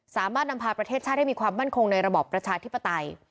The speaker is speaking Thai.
สามารถนำพาประเทศชาติให้มีความมั่นคงในระบอบประชาธิปไตย